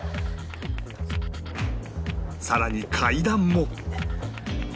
さらに階段も